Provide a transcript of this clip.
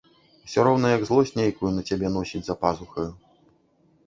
Усё роўна як злосць нейкую на цябе носіць за пазухаю.